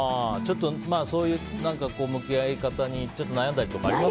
ちょっと向き合い方に悩んだりとかはありますか？